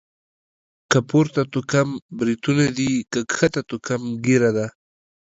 که پورته توکم بريتونه دي.، که کښته توکم ږيره ده.